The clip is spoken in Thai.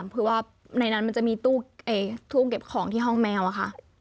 เพราะว่าในนั้นมันจะมีตู้เก็บของที่ห้องแมวอะค่ะ